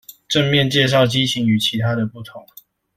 正面介紹激情與其他的不同